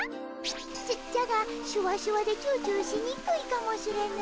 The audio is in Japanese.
じゃじゃがシュワシュワでチューチューしにくいかもしれぬ。